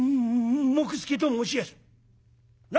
「も杢助と申しやす」。